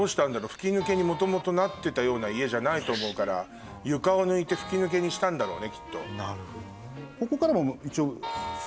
吹き抜けに元々なってたような家じゃないと思うから床を抜いて吹き抜けにしたんだろうねきっと。